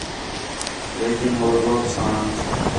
لیکن ہو زور ساں